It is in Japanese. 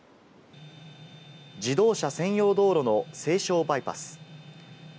自動車専用道路の西湘バイパス。